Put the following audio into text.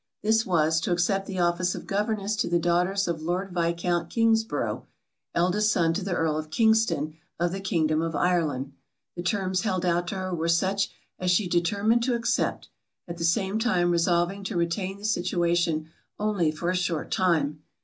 This was, to accept the office of governess to the daughters of lord viscount Kingsborough, eldest son to the earl of Kingston of the kingdom of Ireland. The terms held out to her were such as she determined to accept, at the same time resolving to retain the situation only for a short time.